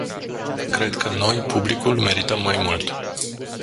Cred că noi, publicul, merităm mai mult.